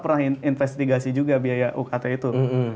pernah investigasi juga biaya ukt itu